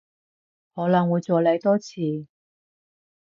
可能會再嚟多次